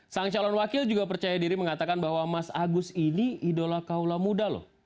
sang calon wakil juga percaya diri mengatakan bahwa mas agus ini idola kaula muda loh